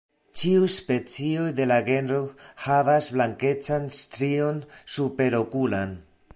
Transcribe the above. Ĉiuj specioj de la genro havas blankecan strion superokulan.